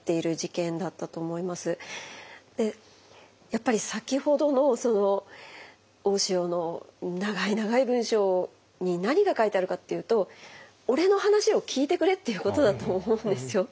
やっぱり先ほどの大塩の長い長い文書に何が書いてあるかっていうと「俺の話を聞いてくれ」っていうことだと思うんですよ。